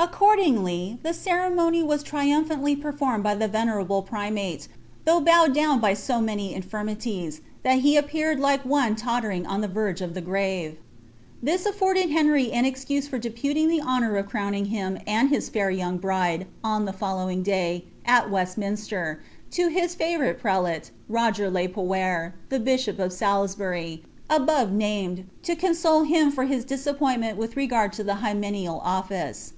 Accordin|ily, the reremony was iriumphanily perfurmR] by ihe venerable primate, thuiigh bowed down by bo many infirmiiuf. that he a[ipeared like one loilering on ihe verge of the grave. This nlTorded Henry an excuse for deputing the honour of crowninf Jiitn and his fair young bride on the following day, at WestmiaEter, to his favourite prelate, Roger le Poer, the bishop of Salitbary, ^mtb namei), lo console him for his disappointment with regard to the hyme neal office.